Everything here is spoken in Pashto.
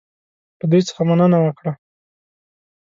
له دوی څخه مننه وکړه.